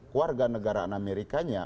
keluarga negaraan amerikanya